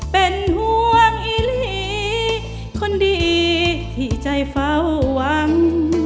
เป็นห่วงอีหลีคนดีที่ใจเฝ้าหวัง